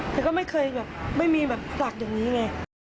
แต่ก็ไม่เคยแบบไม่มีแบบศักดิ์อย่างนี้ไง